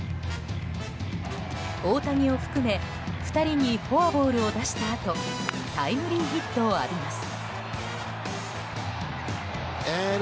大谷を含め２人にフォアボールを出したあとタイムリーヒットを浴びます。